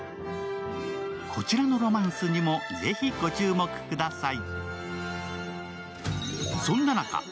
こちらのロマンスにもぜひご注目ください。